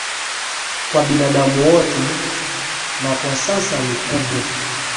kwa binadamu wote na kwa sasa ni kubwa